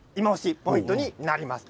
ポイントになります。